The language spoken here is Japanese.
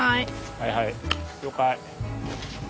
はいはい了解。